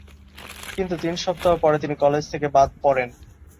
কিন্তু তিন সপ্তাহ পরে তিনি কলেজ থেকে বাদ পড়েন।